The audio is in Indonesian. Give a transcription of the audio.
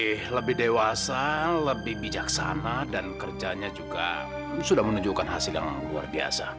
lebih dewasa lebih bijaksana dan kerjanya juga sudah menunjukkan hasil yang luar biasa